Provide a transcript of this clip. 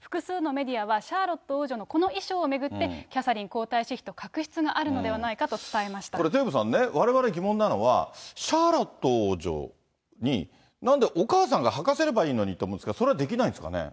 複数のメディアは、シャーロット王女のこの衣装を巡ってキャサリン皇太子妃の確執があるのではなこれ、デーブさんね、われわれ疑問なのはシャーロット王女に、なんでお母さんが履かせればいいのにって思ったんですけど、それはできないんですかね。